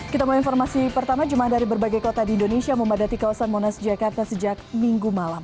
kita mau informasi pertama jemaah dari berbagai kota di indonesia memadati kawasan monas jakarta sejak minggu malam